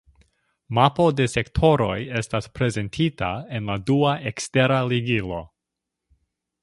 Mapo de sektoroj estas prezentita en la dua ekstera ligilo.